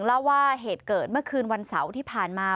เล่าว่าเหตุเกิดเมื่อคืนวันเสาร์ที่ผ่านมา